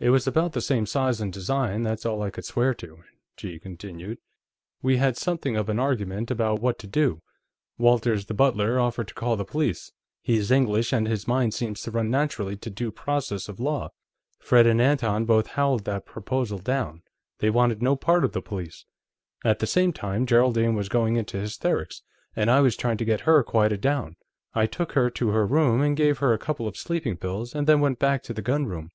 It was about the same size and design; that's all I could swear to." She continued: "We had something of an argument about what to do. Walters, the butler, offered to call the police. He's English, and his mind seems to run naturally to due process of law. Fred and Anton both howled that proposal down; they wanted no part of the police. At the same time, Geraldine was going into hysterics, and I was trying to get her quieted down. I took her to her room and gave her a couple of sleeping pills, and then went back to the gunroom.